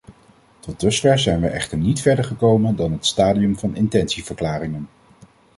Tot dusver zijn wij echter niet verder gekomen dan het stadium van intentieverklaringen.